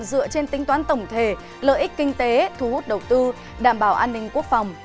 dựa trên tính toán tổng thể lợi ích kinh tế thu hút đầu tư đảm bảo an ninh quốc phòng